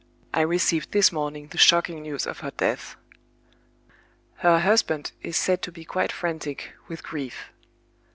I received this morning the shocking news of her death. Her husband is said to be quite frantic with grief. Mr.